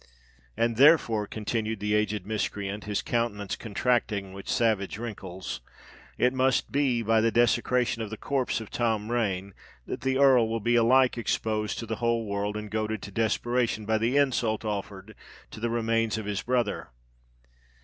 "And therefore," continued the aged miscreant, his countenance contracting with savage wrinkles, "it must be by the desecration of the corpse of Tom Rain, that the Earl will be alike exposed to the whole world and goaded to desperation by the insult offered to the remains of his brother.